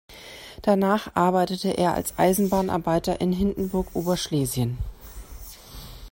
Danach arbeitete er als Eisenbahnarbeiter in Hindenburg Oberschlesien.